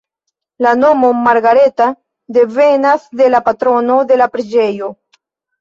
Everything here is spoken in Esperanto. La nomo Margareta devenas de la patrono de la preĝejo.